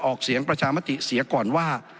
ออกเสียงประชามติเสียก่อนว่า